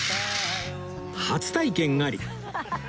初体験あり